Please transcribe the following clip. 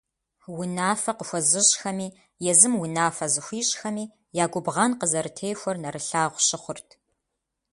Унафэ къыхуэзыщӏхэми, езым унафэ зыхуищӏхэми я губгъэн къызэрытехуэр нэрылъагъу щыхъурт.